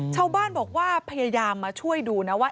ชาวบ้านบอกว่าพยายามมาช่วยดูนะว่า